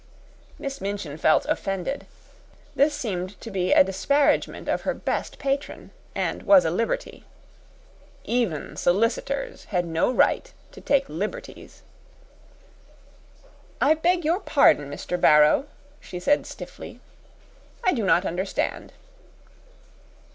Miss Minchin felt offended. This seemed to be a disparagement of her best patron and was a liberty. Even solicitors had no right to take liberties. "I beg your pardon, Mr. Barrow," she said stiffly. "I do not understand."